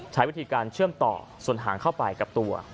ใช้วิธีการเชื่อมต่อส่วนหางเข้าไปกับตัว